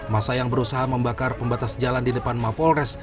masa yang berusaha membakar pembatas jalan di depan mapolres